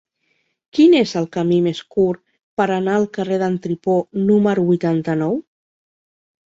Quin és el camí més curt per anar al carrer d'en Tripó número vuitanta-nou?